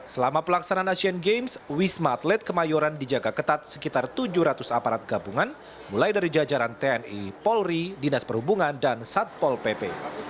selama pelaksanaan asian games wisma atlet kemayoran dijaga ketat sekitar tujuh ratus aparat gabungan mulai dari jajaran tni polri dinas perhubungan dan satpol pp